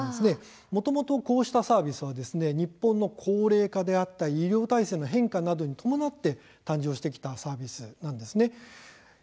もともとこうしたサービスは日本の高齢化であったり医療体制の変化などに伴って誕生してきたサービスなんですね。